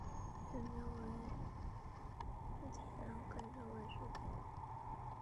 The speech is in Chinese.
弗洛伊德也曾提出过一种游戏的理论。